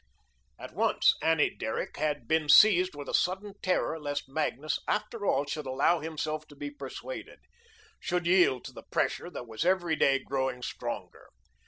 At once, Annie Derrick had been seized with a sudden terror lest Magnus, after all, should allow himself to be persuaded; should yield to the pressure that was every day growing stronger.